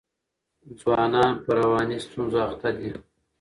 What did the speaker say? ځوانان په رواني ستونزو اخته دي.